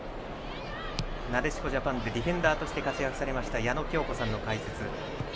なでしこジャパンでディフェンダーとして活躍されました矢野喬子さんの解説。